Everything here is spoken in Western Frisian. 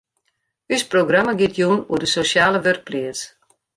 Us programma giet jûn oer de sosjale wurkpleats.